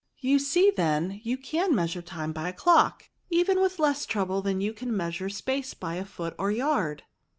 "You see, then, that you can measure time by a clock, even with less trouble than you can measure space by a foot or yard.